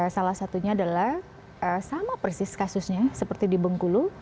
salah satunya adalah sama persis kasusnya seperti di bengkulu